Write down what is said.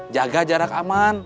jaga jarak aman